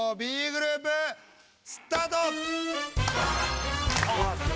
Ｂグループスタート！